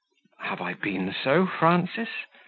"Have I been so, Frances?"